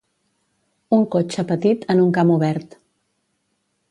Un cotxe petit en un camp obert.